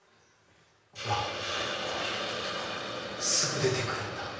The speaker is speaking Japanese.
うわ何かこういう道とかもすぐ出てくるんだ。